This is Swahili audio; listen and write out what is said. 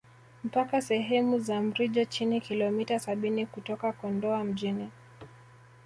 Mpaka sehemu za Mrijo Chini kilometa sabini kutoka Kondoa mjini